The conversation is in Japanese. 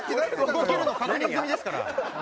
動けるの確認済みですから。